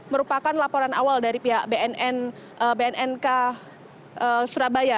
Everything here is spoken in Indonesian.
merupakan laporan awal dari pihak bnnk surabaya